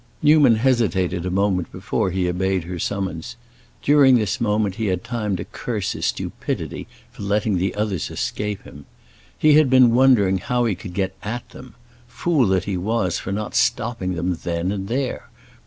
Newman hesitated a moment before he obeyed her summons, during this moment he had time to curse his stupidity for letting the others escape him. He had been wondering how he could get at them; fool that he was for not stopping them then and there!